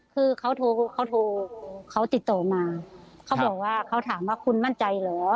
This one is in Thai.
คือเขาโทรเขาโทรเขาติดต่อมาเขาบอกว่าเขาถามว่าคุณมั่นใจเหรอ